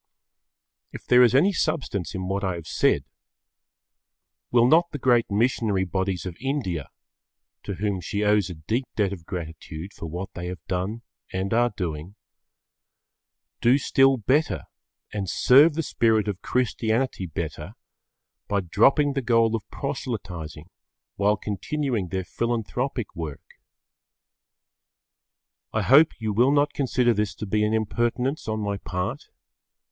If there is any substance in what I have said, will not the great missionary bodies of India, to whom she owes a deep debt of gratitude for what they have done and are doing, do still better and serve the spirit of Christianity better by dropping the goal of proselytising while continuing their philanthropic work? I hope you will not consider this to be an impertinence on my part.